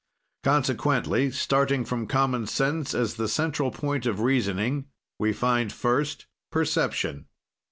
"Consequently, starting from common sense as the central point of reasoning, we find, first, perception.